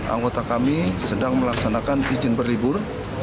anggota kami sedang melaksanakan izin berlibur